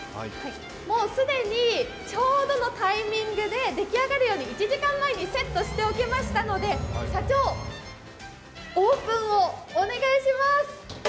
もう既にちょうどのタイミングで出来上がるように１時間前にセットしておきましたので、社長、オープンをお願いします。